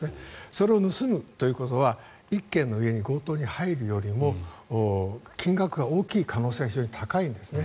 それを盗むということは１軒の家に強盗に入るよりも金額が大きいという可能性が非常に高いんですね。